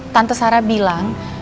tante sarah bilang